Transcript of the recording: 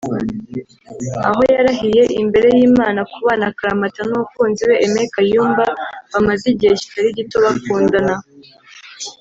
aho yarahiye imbere y'Imana kubana akaramata n'umukunzi we Aime Kayumba bamaze igihe kitari gito bakundana